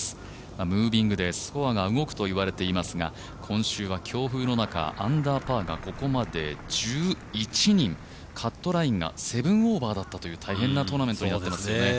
ムービングでスコアが動くと言われていますが、今週は強風の中、アンダーパーがここまで１１人カットラインが７オーバーだったという大変なトーナメントとなっていますね。